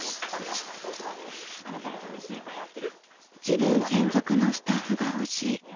［自分専属のスタッフが欲しい］